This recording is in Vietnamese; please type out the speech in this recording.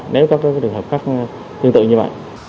nếu có trường hợp khác tương tự như vậy